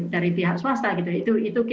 dari pihak swasta gitu